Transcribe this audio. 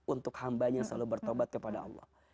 untuk hambanya selalu bertobat kepada allah